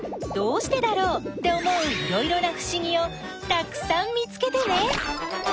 「どうしてだろう」って思ういろいろなふしぎをたくさん見つけてね！